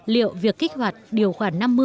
liệu việc kích hoạt điều khoản năm mươi